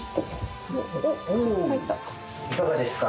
おぉいかがですか？